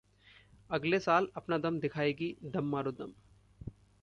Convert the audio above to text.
अगले साल अपना दम दिखाएगी ‘दम मारो दम’